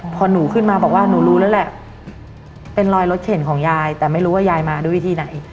พอหนูขึ้นมาบอกว่าหนูรู้แล้วแหละเป็นรอยรถเข็นของยายแต่ไม่รู้ว่ายายมาด้วยวิธีไหน